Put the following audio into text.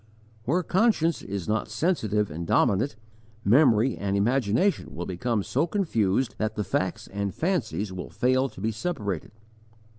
Where conscience is not sensitive and dominant, memory and imagination will become so confused that facts and fancies will fail to be separated.